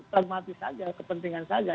pragmatis saja kepentingan saja